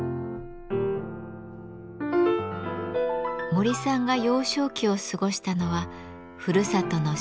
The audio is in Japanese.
森さんが幼少期を過ごしたのはふるさとの島根県。